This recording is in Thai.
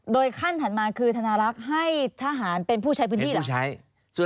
โดยขั้นถัดมาคือธนารักษ์ให้ทหารเป็นผู้ใช้พื้นที่เหรอ